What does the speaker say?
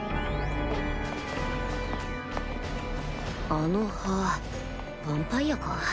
あの歯ヴァンパイアか？